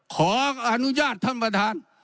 ขออนุญาตท่านประธาน